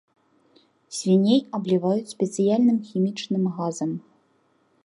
Свіней абліваюць спецыяльным хімічным газам.